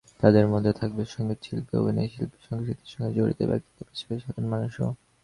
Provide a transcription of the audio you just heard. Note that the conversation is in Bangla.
তাদের মধ্যে থাকবে সংগীতশিল্পী, অভিনয়শিল্পী, সংস্কৃতির সঙ্গে জড়িত ব্যক্তিদের পাশাপাশি সাধারণ মানুষও।